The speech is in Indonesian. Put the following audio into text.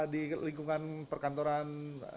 di lingkungan perkantoran